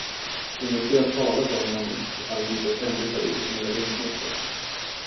Ingen skulle ha talat om honom, ifall han inte ständigt, hade gjort nya dumheter.